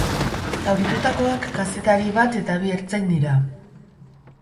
Zauritutakoak kazetari bat eta bi ertzain dira.